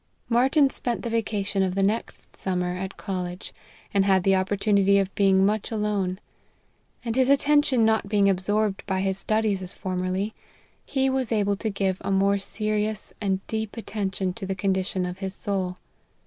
Martyn spent the vacation of the next summer at college, and had the opportunity of being much alone ; and his attention not being absorbed by his studies as formerly, he was able to give a more se rious and deep attention to the condition of his soul.